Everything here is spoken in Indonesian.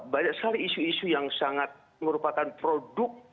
banyak sekali isu isu yang sangat merupakan produk